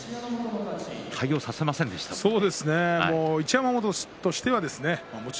対応させませんでしたね。